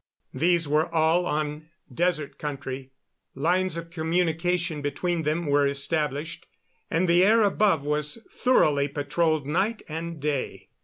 These were all on desert country. Lines of communication between them were established, and the air above was thoroughly patrolled night and day.